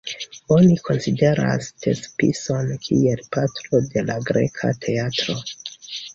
Oni konsideras Tespison kiel patro de la greka teatro.